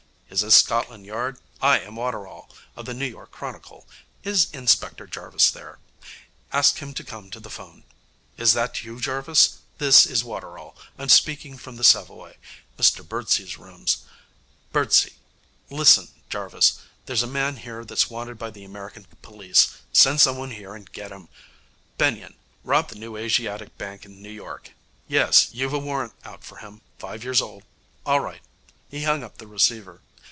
'Is this Scotland Yard? I am Waterall, of the New York Chronicle. Is Inspector Jarvis there? Ask him to come to the phone.... Is that you, Jarvis? This is Waterall. I'm speaking from the Savoy, Mr Birdsey's rooms. Birdsey. Listen, Jarvis. There's a man here that's wanted by the American police. Send someone here and get him. Benyon. Robbed the New Asiatic Bank in New York. Yes, you've a warrant out for him, five years old.... All right.' He hung up the receiver.